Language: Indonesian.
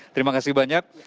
terima kasih banyak